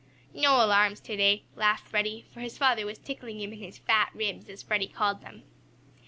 "No alarms to day," laughed Freddie, for his father was tickling him in his "fat ribs," as Freddie called them.